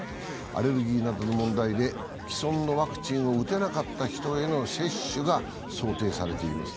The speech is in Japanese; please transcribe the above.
アレルギーなどの問題で既存のワクチンを打てなかった人への接種が想定されています。